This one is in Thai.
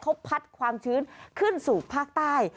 เขาพัดความชื้นขึ้นสู่ภาคใต้